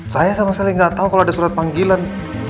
saya sama selin gak tau kalau ada surat panggilan